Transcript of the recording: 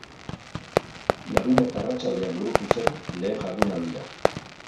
Larunbat arratsaldean burutu zen lehen jardunaldia.